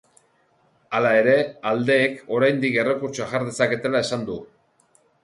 Hala ere, aldeek oraindik errekurtsoa jar dezaketela esan du.